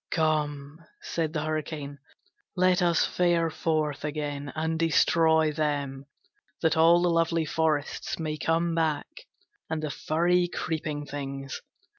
'Come,' said the Hurricane, 'let us fare forth again and destroy them, that all the lovely forests may come back and the furry creeping things.